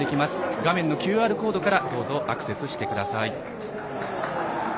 画面のＱＲコードからどうぞアクセスしてください。